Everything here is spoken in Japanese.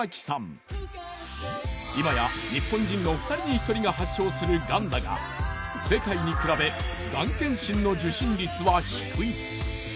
今や日本人の２人に１人が発症するがんだが世界に比べがん健診の受診率は低い。